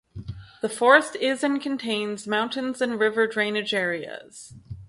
The forest is and contains mountains and river drainage areas.